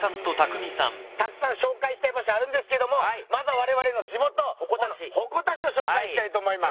たくさん紹介したい場所あるんですけどもまずはわれわれの地元鉾田市を紹介したいと思います。